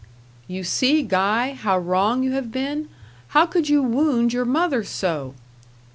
"You see, Guy, how wrong you have been. How could you wound your mother so?"